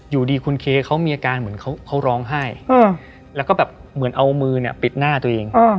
อยู่ดีคุณเคเขามีอาการเหมือนเขาร้องไห้แล้วก็แบบเหมือนเอามือเนี่ยปิดหน้าตัวเอง